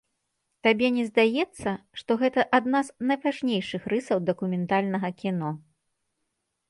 Табе не здаецца, што гэта адна з найважнейшых рысаў дакументальнага кіно?